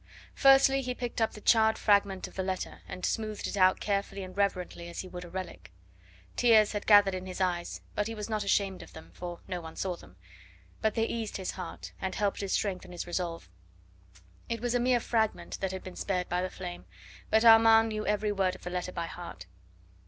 Firstly, he picked up the charred fragment of the letter, and smoothed it out carefully and reverently as he would a relic. Tears had gathered in his eyes, but he was not ashamed of them, for no one saw them; but they eased his heart, and helped to strengthen his resolve. It was a mere fragment that had been spared by the flame, but Armand knew every word of the letter by heart.